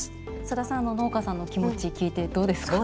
佐田さん、農家さんの気持ち聞いて、どうですか？